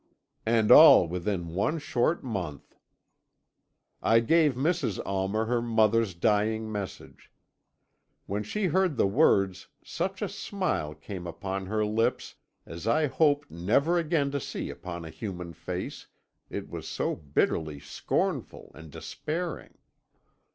"And all within one short month! "I gave Mrs. Almer her mother's dying message. When she heard the words such a smile came upon her lips as I hope never again to see upon a human face, it was so bitterly scornful and despairing.